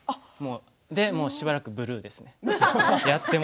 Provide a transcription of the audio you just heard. でもう、しばらくブルーですね。